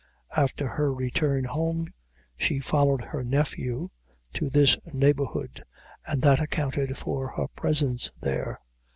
After her return home, she followed her nephew to this neighborhood, and that accounted for her presence there.